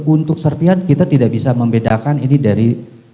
untuk serpian kita tidak bisa membedakan ini dari